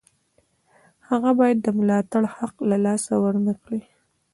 هغه باید د ملاتړ حق له لاسه ورنکړي.